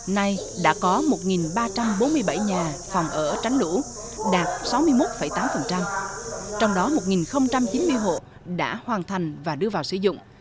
nay đã có một ba trăm bốn mươi bảy nhà phòng ở tránh lũ đạt sáu mươi một tám trong đó một chín mươi hộ đã hoàn thành và đưa vào sử dụng